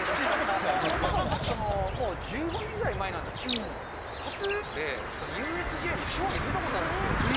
そもそも僕、１５年ぐらい前なんですけど、ＫＡＴーＴＵＮでＵＳＪのショーに出たことあるんです。